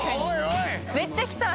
いぁめっちゃ来た！